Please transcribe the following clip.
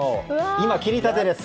今、切り立てです。